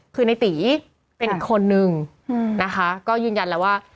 คือในตีเป็นอีกคนนึงนะคะก็ยืนยันแล้วว่า